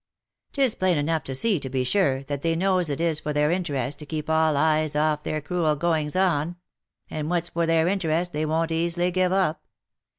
Tis plain enough to see, to be sure, that they knows it is for their interest to keep all eyes off their cruel goings on — and what's for their interest they won't easily give up.